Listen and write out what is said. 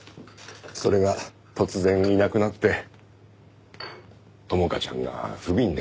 それが突然いなくなって朋香ちゃんが不憫で。